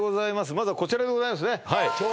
まずはこちらでございますねはい